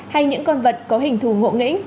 hay những con vật có hình thù ngộ nghĩnh